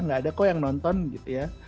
nggak ada kok yang nonton gitu ya